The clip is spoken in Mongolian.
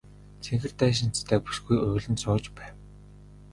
Цэнхэр даашинзтай бүсгүй уйлан сууж байв.